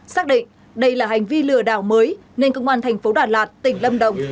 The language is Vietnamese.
xác định đây là hành vi lừa đảo mới nên công an thành phố đà lạt tỉnh lâm đồng